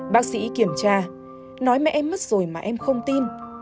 bác sĩ kiểm tra nói mẹ em mất rồi mà em không tin